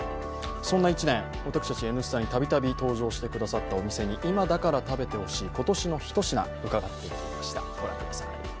そんな１年、私たち「Ｎスタ」に度々登場してくださったお店に今だから食べてほしい今年の一品、伺ってみました。